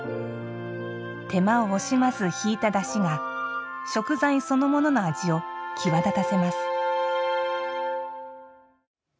手間を惜しまず引いただしが食材そのものの味を際立たせます。